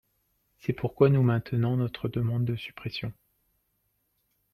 C’est pourquoi nous maintenant notre demande de suppression.